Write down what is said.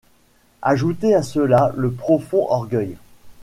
Ajoutez à cela le profond orgueil.